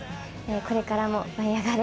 これからも舞いあがれ！